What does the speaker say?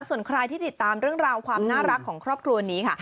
ส่วนใครที่ติดตามเรื่องราวความน่ารักของครอบครัวนี้ค่ะ